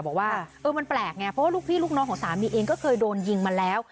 บอกว่าเออมันแปลกไงเพราะว่าลูกพี่ลูกน้องของสามีเองก็เคยโดนยิงมาแล้ว